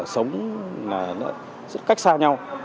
sống cách xa nhau